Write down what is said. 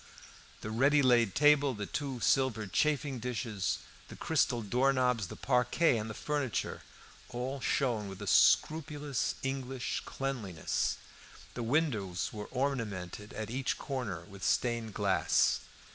The ready laid table, the two silver chafing dishes, the crystal door knobs, the parquet and the furniture, all shone with a scrupulous, English cleanliness; the windows were ornamented at each corner with stained glass.